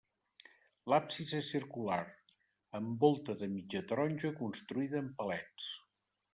L'absis és circular, amb volta de mitja taronja construïda amb palets.